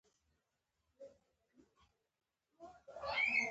و استاد لره روا ده